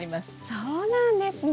そうなんですね。